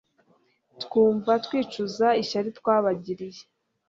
Twumva twicuza ishyari twabagiriye